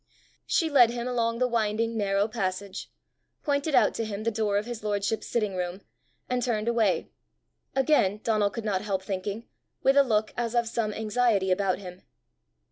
She led him along the winding narrow passage, pointed out to him the door of his lordship's sitting room, and turned away again, Donal could not help thinking, with a look as of some anxiety about him.